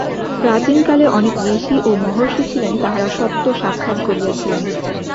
প্রাচীনকালে অনেক ঋষি ও মহর্ষি ছিলেন, তাঁহারা সত্য সাক্ষাৎ করিয়াছিলেন।